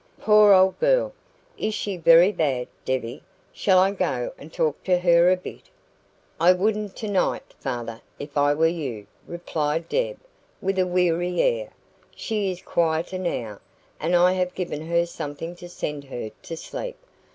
Poor old girl! Is she very bad, Debbie? Shall I go and talk to her a bit?" "I wouldn't tonight, father, if I were you," replied Deb, with a weary air. "She is quieter now, and I have given her something to send her to sleep.